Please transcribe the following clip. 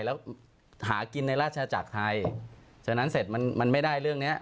แล้วหากินในราชจักรไทยฉะนั้นเสร็จมันมันไม่ได้เรื่องเนี้ย